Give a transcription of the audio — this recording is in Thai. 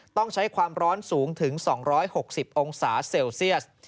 ต้องใช้ความร้อนสูงถึง๒๖๐องศาเซลเซียส